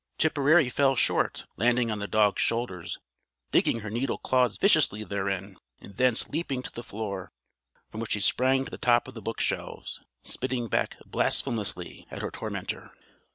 Tipperary fell short; landing on the dog's shoulders, digging her needle claws viciously therein, and thence leaping to the floor, from which she sprang to the top of the bookshelves, spitting back blasphemously at her tormentor.